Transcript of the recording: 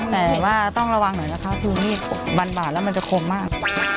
แต่ว่าต้องระวังหน่อยนะคะคือนี่บันบาดแล้วมันจะคมมาก